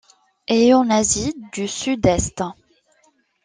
Et en Asie du Sud-Est.